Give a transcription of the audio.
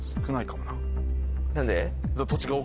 何で？